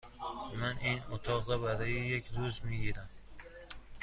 من این اتاق را برای یک روز می گیرم.